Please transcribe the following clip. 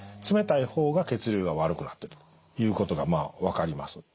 冷たい方が血流が悪くなってるということが分かります。